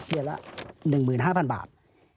เดือนละ๑๕๐๐๐บาท